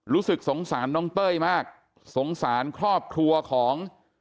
รู้สึกสงสารน้องเต้ยมากสงสารครอบครัวของ